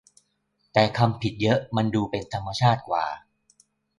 แต่คำผิดเยอะมันดูเป็นธรรมชาติกว่า